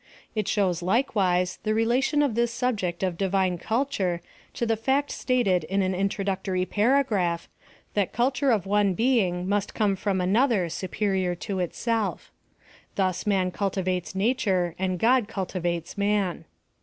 It shows, likewise, the relation of this subject of Divine Culture to the fact stated in an introductory paragraph, that culture of one being must come from another supe rior to itself. Thus man cultivates nature and God cultivates man.